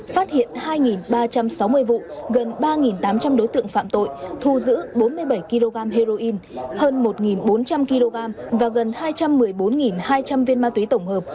phát hiện hai ba trăm sáu mươi vụ gần ba tám trăm linh đối tượng phạm tội thu giữ bốn mươi bảy kg heroin hơn một bốn trăm linh kg và gần hai trăm một mươi bốn hai trăm linh viên ma túy tổng hợp